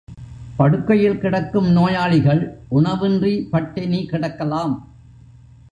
படுக்கையில் கிடக்கும் நோயாளிகள் உணவின்றி பட்டினி கிடக்கலாம்.